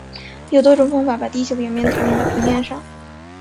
有多种方法把地球表面投影到平面上。